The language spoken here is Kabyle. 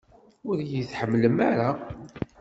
Ur iyi-tḥemmlem ara?